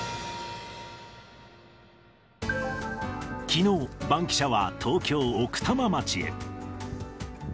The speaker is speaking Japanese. きのう、バンキシャ！は東京・奥多摩町へ。